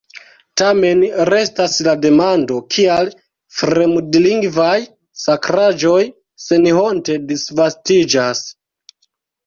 Tamen restas la demando, kial fremdlingvaj sakraĵoj senhonte disvastiĝas.